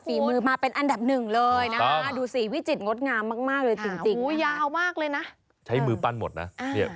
อีกมือหนึ่งก็ใช้อุปกรณ์แล้วก็ปาดไปปาดปลา